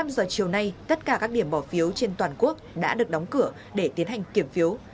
một mươi giờ chiều nay tất cả các điểm bỏ phiếu trên toàn quốc đã được đóng cửa để tiến hành kiểm phiếu